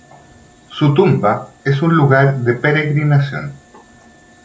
Su tumba es un lugar de peregrinación.